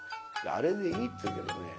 あれでいいって言うけどね